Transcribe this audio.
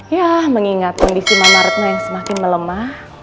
ya mengingat kondisi mama retno yang semakin melemah